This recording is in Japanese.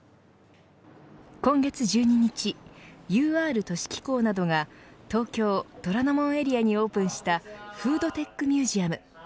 今月１２日ＵＲ都市機構などが東京、虎ノ門エリアにオープンしたフードテックミュージアム。